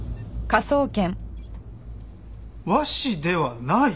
和紙ではない？